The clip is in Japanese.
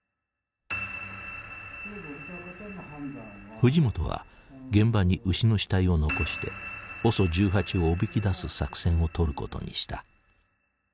藤本は現場に牛の死体を残してＯＳＯ１８をおびき出す作戦を取ることにした。